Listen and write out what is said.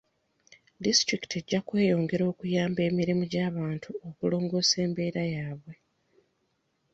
Disitulikiti ejja kweyongera okuyamba mirimu gy'abantu okulongoosa embeera yaabwe.